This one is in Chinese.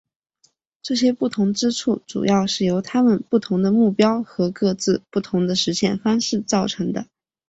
这些不同之处主要是由他们不同的目标和各自不同的实现方式造成的。